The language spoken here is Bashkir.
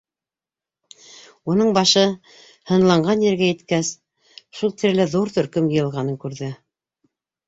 Уның башы һынланған ергә еткәс, шул тирәлә ҙур төркөм йыйылғанын күрҙе.